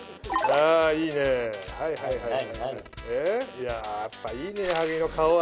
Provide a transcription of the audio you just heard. えいややっぱいいね矢作の顔は。